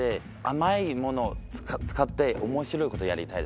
甘いもの使って面白いことやりたいです。